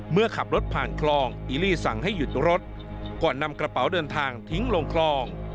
เมื่อขับรถผ่านคลองอิลี่สั่งให้หยุดรถก่อนนำกระเป๋าเดินทางทิ้งลงคลอง